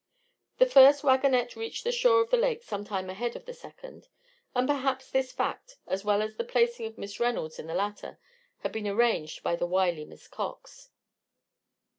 The first wagonette reached the shore of the lake some time ahead of the second. And perhaps this fact, as well as the placing of Miss Reynolds in the latter, had been arranged by the wily Miss Cox.